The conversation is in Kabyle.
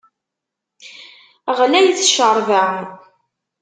Ɣlayet cceṛba!